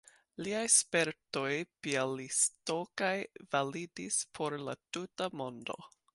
liaj spertoj Bjalistokaj validis por la tuta mondo.